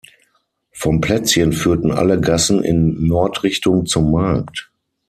Vom Plätzchen führten alle Gassen in Nordrichtung zum Markt.